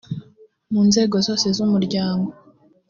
mu nzego zose z umuryango